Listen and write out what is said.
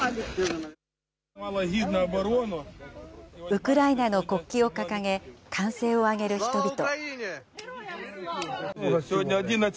ウクライナの国旗を掲げ、歓声を上げる人々。